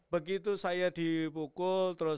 begitu saya dipukul terus